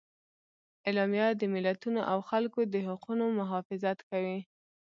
اعلامیه د ملتونو او خلکو د حقونو محافظت کوي.